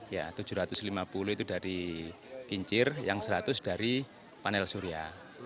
ya tujuh ratus lima puluh itu dari kincir yang seratus dari panel surya